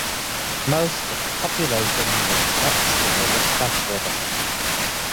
Most of the population lives next to the Rustaq River.